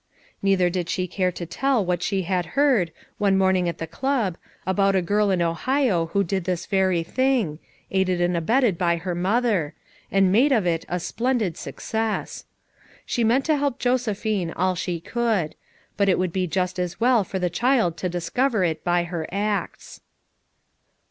Neither did she care to tell what she had heard, one morning at the club, about a girl in Ohio who did this very thing, — aided and abetted by her mother, — and made of it a splendid success. She meant to help Josephine all she could; but it would be just as well for the child to discover it by her acts.